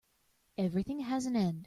Everything has an end.